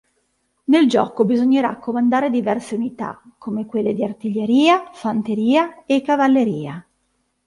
Nel gioco bisognerà comandare diverse unità, come quelle di artiglieria, fanteria e cavalleria.